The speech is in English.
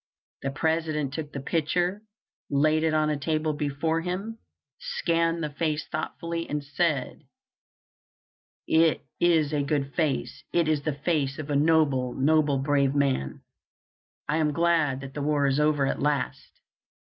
The President took the picture, laid it on a table before him, scanned the face thoughtfully, and said: "It is a good face; it is the face of a noble, noble, brave man. I am glad that the war is over at last."